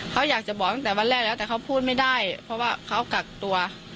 เขาอยากจะบอกตั้งแต่วันแรกแล้วแต่เขาพูดไม่ได้เพราะว่าเขากักตัว